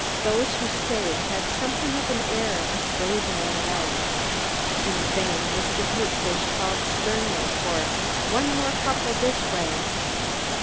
Those who stayed had something of the air of brazening it out. In vain Mr. Butefish called sternly for, "One more couple this way!"